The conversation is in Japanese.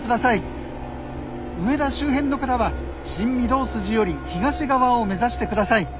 梅田周辺の方は新御堂筋より東側を目指してください。